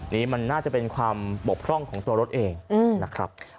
นี่มันน่าจะเป็นความบกพร่องของตัวรถเองนะครับ